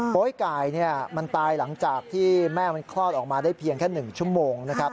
ไก่มันตายหลังจากที่แม่มันคลอดออกมาได้เพียงแค่๑ชั่วโมงนะครับ